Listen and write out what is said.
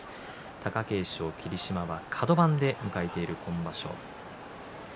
貴景勝と霧島はカド番で迎えている今場所